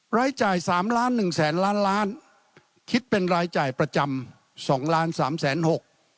ร้ายจ่าย๓ล้าน๑แสนล้านล้านคิดเป็นรายจ่ายประจำ๒ล้าน๓แสนหก